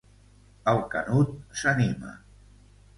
El Canut s'anima.